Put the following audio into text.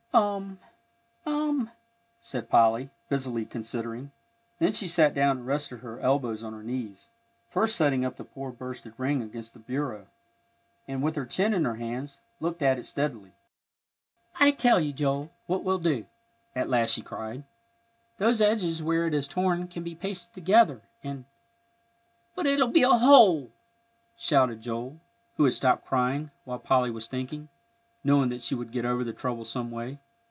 "Um! " said Polly, busily considering. Then she sat down and rested her elbows on her knees, first setting up the poor bursted ring against the bureau; and, with her chin in her hands, looked at it steadily. "I tell you, Joel, what we'll do," at last she cried; "those edges where it is torn can be pasted together, and " "But it'll be a hole!" shouted Joel, who had stopped crying while Polly was thinking, knowing that she would get over the trouble some way.